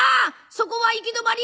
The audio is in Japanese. そこは行き止まり。